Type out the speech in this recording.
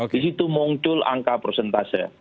di situ muncul angka prosentase